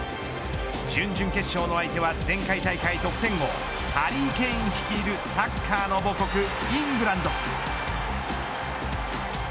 準々決勝の相手は前回大会得点王ハリー・ケイン率いるサッカーの母国イングランド。